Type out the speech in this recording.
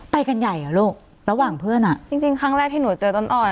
ไปกันใหญ่เหรอลูกระหว่างเพื่อนอ่ะจริงจริงครั้งแรกที่หนูเจอต้นอ้อย